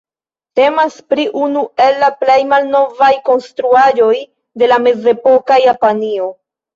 Temas pri unu el la plej malnovaj konstruaĵoj de la mezepoka Japanio.